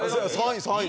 ３位。